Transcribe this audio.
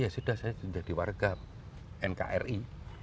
ya sudah saya menjadi warga nkri